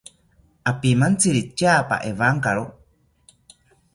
Apimantziri tyaapa ewankawo